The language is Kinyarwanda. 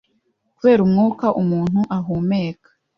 Kubera umwuka umuntu ahumeka,